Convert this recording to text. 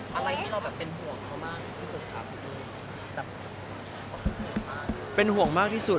มีอะไรที่เราเป็นห่วงมากที่สุด